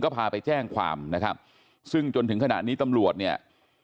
พาไปแจ้งความนะครับซึ่งจนถึงขณะนี้ตำรวจเนี่ย